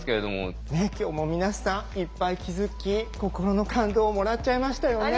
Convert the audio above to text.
ねえ今日も皆さんいっぱい気づき心の感動をもらっちゃいましたよね。